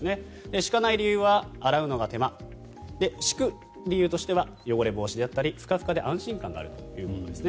敷かない理由は洗うのが手間敷く理由としては汚れ防止であったりふかふかで安心感があるということですね。